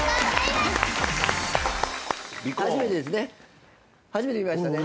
初めてですね？